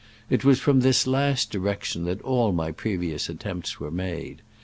It was from this last direction that all my previous at tempts were made.